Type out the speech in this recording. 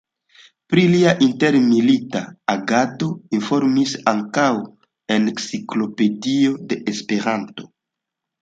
Pri lia intermilita agado informis ankaŭ Enciklopedio de Esperanto.